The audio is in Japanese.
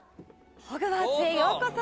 ホグワーツへようこそ！